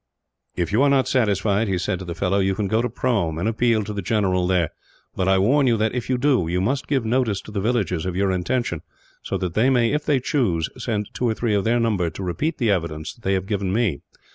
"If you are not satisfied," he said to the fellow, "you can go to Prome, and appeal to the general there; but I warn you that, if you do, you must give notice to the villagers of your intention so that they may, if they choose, send two or three of their number to repeat the evidence that they have given me.